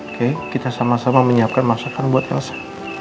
oke kita sama sama menyiapkan masakan buat elsa